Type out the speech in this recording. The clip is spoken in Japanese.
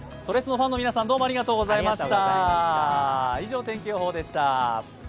ファンの皆さん、どうもありがとうございました。